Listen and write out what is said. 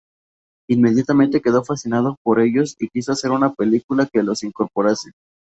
Inmediatamente quedó fascinado por ellos y quiso hacer una película que los incorporase.